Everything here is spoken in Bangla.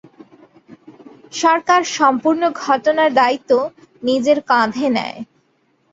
সরকার সম্পূর্ণ ঘটনার দায়িত্ব নিজের কাঁধে নেয়।